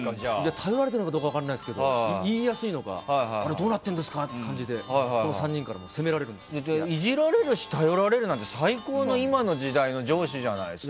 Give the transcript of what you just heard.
頼れてるかどうか分からないですけど言いやすいのかどうなってるんですかねみたいな感じでイジられるし頼られるなんて最高の今の時代の上司じゃないですか。